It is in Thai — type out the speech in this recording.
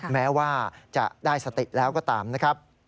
แม้ว่าจะได้สติแล้วก็ตามนะครับ